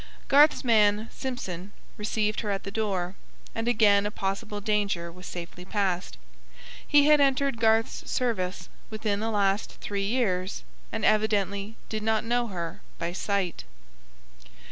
Garth's man, Simpson, received her at the door, and again a possible danger was safely passed. He had entered Garth's service within the last three years and evidently did not know her by sight.